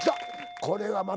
これはまた。